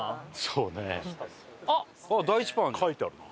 書いてあるな。